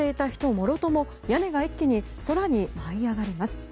もろとも屋根が一気に空に舞い上がります。